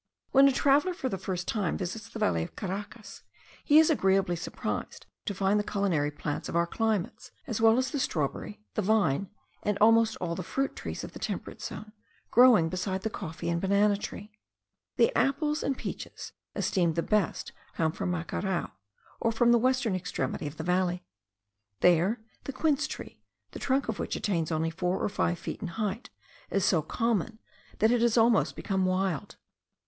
When a traveller for the first time visits the valley of Caracas, he is agreeably surprised to find the culinary plants of our climates, as well as the strawberry, the vine, and almost all the fruit trees of the temperate zone, growing beside the coffee and banana tree. The apples and peaches esteemed the best come from Macarao, or from the western extremity of the valley. There, the quince tree, the trunk of which attains only four or five feet in height, is so common, that it has almost become wild.